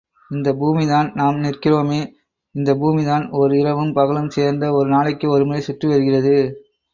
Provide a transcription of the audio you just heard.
இந்தப் பூமிதான், நாம் நிற்கிறோமே இந்தப் பூமிதான் ஓர் இரவும் பகலும் சேர்ந்த ஒருநாளுக்கு ஒருமுறை சுற்றி வருகிறது.